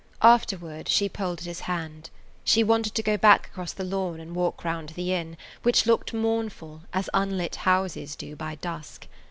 Afterward she pulled at his hand. She wanted to go back across the lawn and walk round the inn, which looked mournful, as unlit houses do by dusk.